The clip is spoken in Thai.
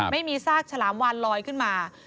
ไม่มีซากฉลามวานลอยขึ้นมา